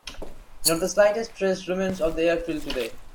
Not the slightest trace remains of the airfield today.